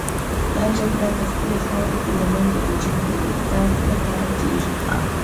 دا جګړه د خپلې خاورې پر لمن د اجنبي اهدافو لپاره کېږي.